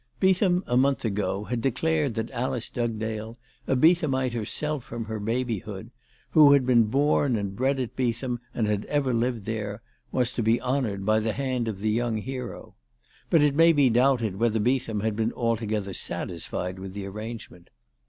Beetham, a month ago, had declared that Alice Dugdale, a Beethamite herself from her baby hood, who had been born and bred at Beetham and had ever lived there, was to be honoured by the hand of the young hero. But it may be doubted whether Beetham had been altogether satisfied with the arrange ment.